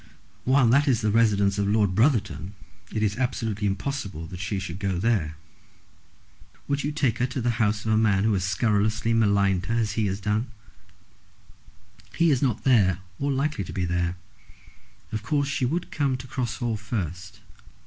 "While that is the residence of Lord Brotherton it is absolutely impossible that she should go there. Would you take her to the house of a man who has scurrilously maligned her as he has done?" "He is not there or likely to be there. Of course she would come to Cross Hall first."